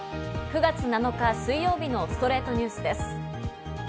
９月７日、水曜日の『ストレイトニュース』です。